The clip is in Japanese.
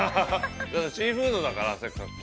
◆シーフードだから、せっかく。